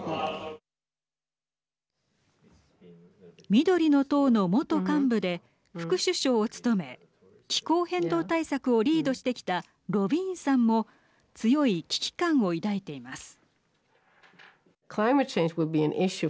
緑の党の元幹部で副首相を務め気候変動対策をリードしてきたロヴィーンさんも強い危機感を抱いています。